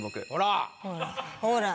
ほら。